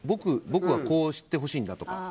僕はこうしてほしいんだとか。